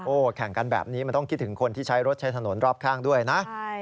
แข่งกันแบบนี้มันต้องคิดถึงคนที่ใช้รถใช้ถนนรอบข้างด้วยนะ